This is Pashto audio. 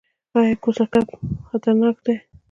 ایا کوسه کب خطرناک دی؟